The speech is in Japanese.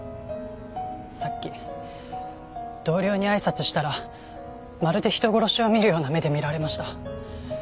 さっき同僚に挨拶したらまるで人殺しを見るような目で見られました。